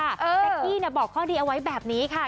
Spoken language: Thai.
แจ๊กกี้บอกข้อดีเอาไว้แบบนี้ค่ะ